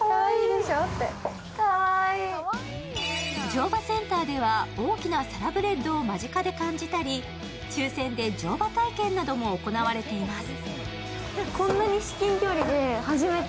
乗馬センターでは大きなサラブレッドを間近で感じたり抽選で乗馬体験なども行われています。